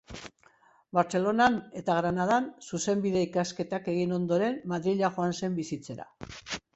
Bartzelonan eta Granadan zuzenbide-ikasketak egin ondoren Madrila joan zen bizitzera.